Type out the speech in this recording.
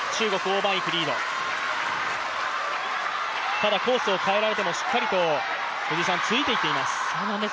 ただ、コースを変えられてもしっかりとついていっています。